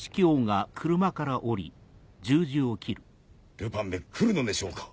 ルパンめ来るのでしょうか？